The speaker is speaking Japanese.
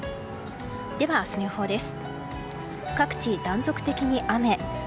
では、明日の予報です。